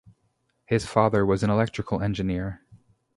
His father was an electrical engineer.